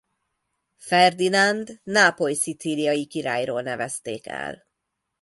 Ferdinánd nápoly–szicíliai királyról nevezték el.